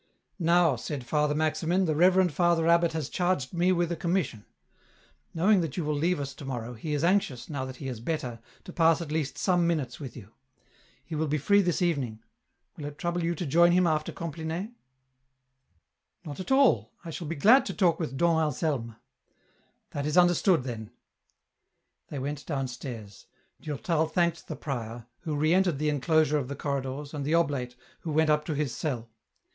" Now," said Father Maximin, " the reverend Father abbot has charged me with a commission ; knowing that you will leave us to morrow, he is anxious, now that he is better, to pass at least some minutes with you. He will be free this evening : will it trouble you to join him after Compline ?" EN ROUTE. 297 " Not at all ; I shall be glad to talk with Dom Anselm." " That is understood, then." They went downstairs. Durtal thanked the prior, who re entered the enclosure of the corridors, and the oblate, who went up to his cell.